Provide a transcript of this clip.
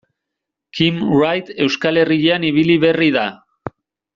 Kim Wright Euskal Herrian ibili berri da.